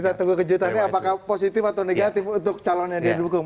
kita tunggu kejutan nya apakah positif atau negatif untuk calon yang di dukung